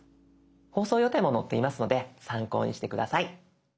放送予定も載っていますので参考にして下さい。